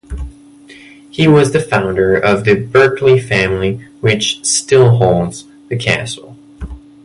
He was the founder of the Berkeley family which still holds the castle.